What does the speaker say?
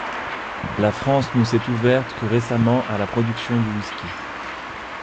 La France ne s'est ouverte que récemment à la production du whisky.